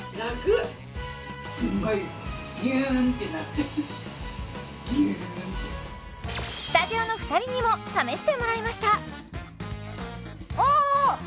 ギューンってスタジオの２人にも試してもらいましたあ！